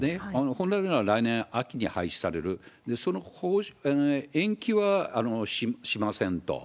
本来なら来年秋に廃止される、延期はしませんと。